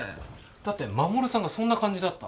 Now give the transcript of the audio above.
だって衛さんがそんな感じだった。